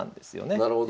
なるほど。